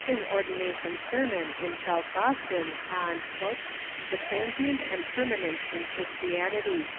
^ an ordination sermon in South Boston on " ilie Transient and Permanent in Christianity."